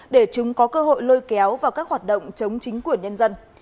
để chúng có cơ hội lôi kéo vào các hoạt động chống chính quyền nhân dân